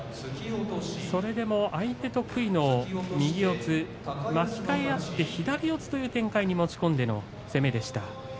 それでも相手得意の右四つ巻き替えあって左四つという展開に持ち込んでの攻めでした。